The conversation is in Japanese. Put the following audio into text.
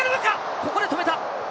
ここで止めた。